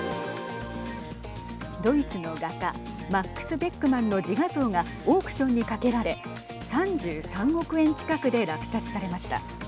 ドイツの画家マックス・ベックマンの自画像がオークションにかけられ３３億円近くで落札されました。